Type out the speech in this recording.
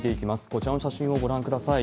こちらの写真をご覧ください。